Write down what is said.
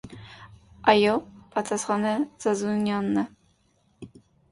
- Այո,- պատասխանեց Զազունյանը: